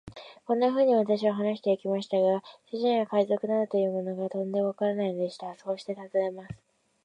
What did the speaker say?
こんなふうに私は話してゆきましたが、主人は海賊などというものが、てんでわからないのでした。そしてこう尋ねます。